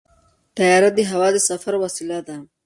طیاره د هوا د سفر وسیله ده.